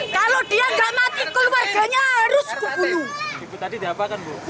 kalau dia tidak mati keluarganya harus kubunuh